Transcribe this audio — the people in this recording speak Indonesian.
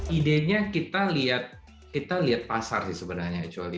ide nya kita lihat pasar sih sebenarnya kecuali